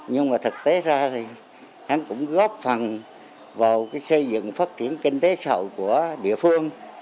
nhưng mà thực tế ra thì hắn cũng góp phần vào cái xây dựng phát triển kinh tế sầu của địa phương